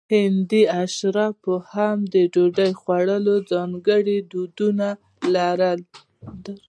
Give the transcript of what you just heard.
هندو اشرافو هم د ډوډۍ خوړلو ځانګړي دودونه لرل.